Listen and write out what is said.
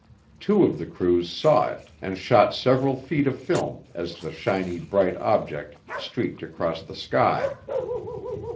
Two of the crews saw it and shot several feet of film as the shiny, bright object streaked across the sky.